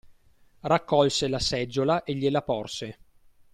Raccolse la seggiola e gliela porse.